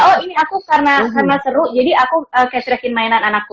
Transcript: oh ini aku karena seru jadi aku cashrick in mainan anakku